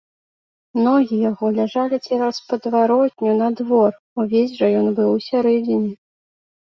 Ногі яго ляжалі цераз падваротню на двор, увесь жа ён быў у сярэдзіне.